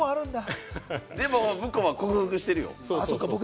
でも、向こうは克服してるよ？